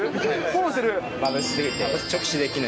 フォローしてる？